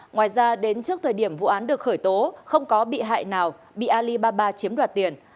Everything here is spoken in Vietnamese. ngoài ra đến trước thời điểm vụ án được khởi tố không có bị hại nào bị alibaba chiếm đoạt tiền